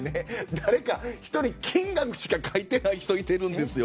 誰か１人、金額しか書いてない人いてるんですよ。